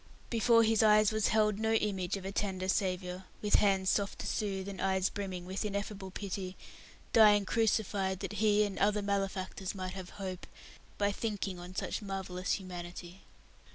Before his eyes was held no image of a tender Saviour (with hands soft to soothe, and eyes brimming with ineffable pity) dying crucified that he and other malefactors might have hope, by thinking on such marvellous humanity.